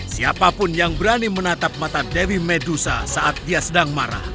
siapapun yang berani menatap mata dewi medusa saat dia sedang marah